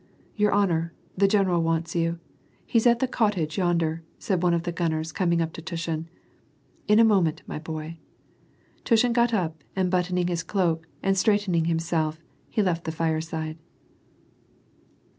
" Your honor, the general wants you. He's at tho cottage, yonder," said one of the gunners, coming up to Tushin. " In a moment, my boy." t Tushin got up, and buttoning his cloak, and straightening himself up, he left the fireside.